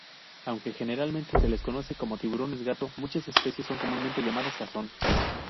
Aunque generalmente se los conoce como tiburones gato, muchas especies son comúnmente llamadas cazón.